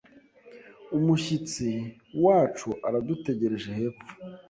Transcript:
Umushyitsi wacu aradutegereje hepfo.